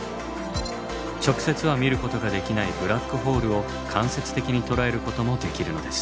直接は見ることができないブラックホールを間接的に捉えることもできるのです。